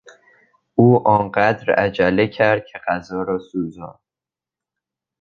او آنقدر عجله کرد که غذا را سوزاند.